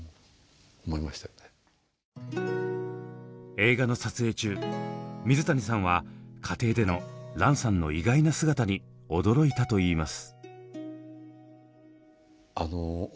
映画の撮影中水谷さんは家庭での蘭さんの意外な姿に驚いたといいます。